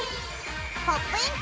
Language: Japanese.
「ポップイン！